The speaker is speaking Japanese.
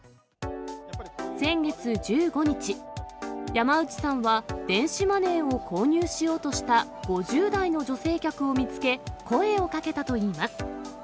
先月１５日、山内さんは、電子マネーを購入しようとした５０代の女性客を見つけ、声をかけたといいます。